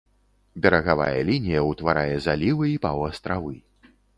Берагавая лінія утварае залівы і паўастравы.